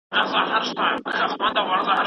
که لمر ډیر تود وي نو واړه بوټي ژر مړاوي کیږي.